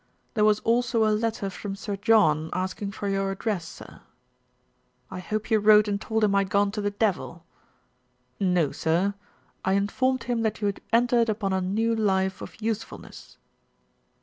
"There was also a letter from Sir John ask ing for your address, sir." "I hope you wrote and told him I had gone to the devil." "No, sir. I informed him that you had entered upon a new life of usefulness."